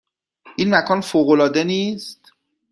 این مکان فوق العاده نیست؟